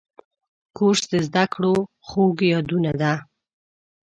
کورس د زده کړو خوږ یادونه ده.